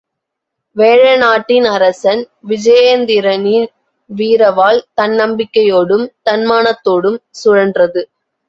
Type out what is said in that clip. வேழநாட்டின் அரசன் விஜயேந்திரனின் வீரவாள், தன்னம்பிக்கையோடும் தன்மானத்தோடும் சுழன்றது.